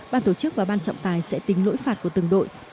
ban tổ chức và ban trọng tài sẽ tính lỗi phạt của từng đội